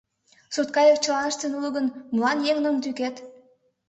Сурткайык чылаштын уло гын, молан еҥыным тӱкет?